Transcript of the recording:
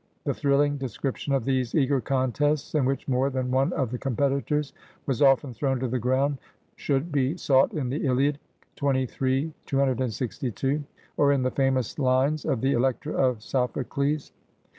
The thrilling de scription of these eager contests, in which more than one of the competitors was often thrown to the ground, should be sought in the "Iliad" (xxiii, 262), or in the famous lines of the "Electra" of Sophocles.